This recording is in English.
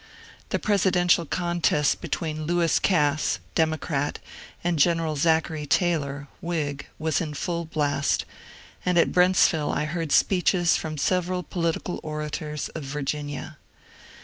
The presidential contest between Lewis Cass (Democrat) and General Zachary Taylor (Whig) was in full blast, and at Brentsville I heard speeches from several political orators of Virginia.